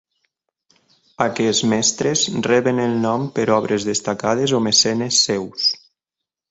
Aquests mestres reben el nom per obres destacades o mecenes seus.